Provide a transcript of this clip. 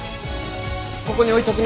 ここに置いとくね。